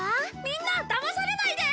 みんなだまされないで！